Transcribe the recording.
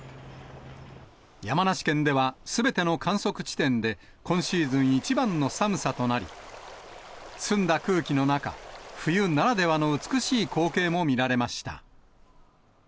山梨県では、すべての観測地点で、今シーズン一番の寒さとなり、澄んだ空気の中、冬ならではの美しい光景も見られました。